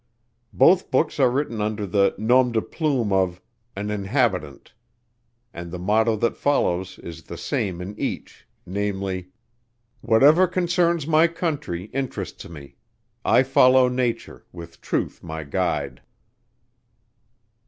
Both books are written under the nom de plume of "An Inhabitant," and the motto that follows is the same in each, namely: "Whatever concerns my country, interests me; I follow nature, with truth my guide."